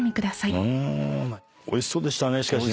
おいしそうでしたねしかしね。